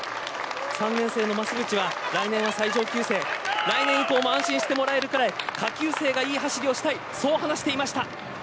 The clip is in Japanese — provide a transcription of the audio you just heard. ３年生の増渕は来年は最上級生来年以降も安心してもらえるぐらい下級生がいい走りをしたいと話していました。